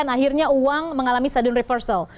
akhirnya uang mengalami sudden reversal